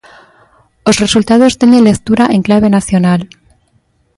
Os resultados teñen lectura en clave nacional.